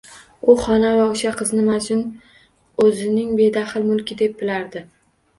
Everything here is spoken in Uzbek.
U xona va oʻsha qizni Majnun oʻzining bedaxl mulki deb bilardi.